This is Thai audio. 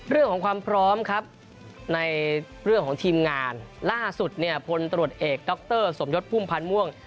เรื่องของความพร้อมครับในเรื่องของทีมงานล่าสุดเนี่ยพลตรวจเอกดรสมยศพุ่มพันธ์ม่วง